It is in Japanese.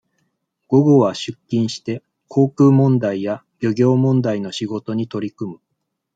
午後は出勤して、航空問題や、漁業問題の仕事に取り組む。